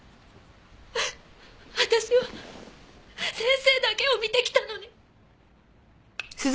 私は先生だけを見てきたのに。